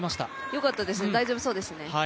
よかったですね、大丈夫そうですね。